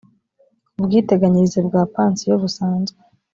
ubwiteganyirize bwa pansiyo busanzwe